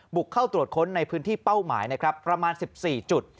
บุกเข้าตรวจค้นในพื้นที่เป้าหมายนะครับประมาณ๑๔จุด